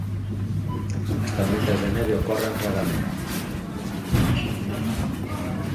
As tormentas de neve ocorren raramente.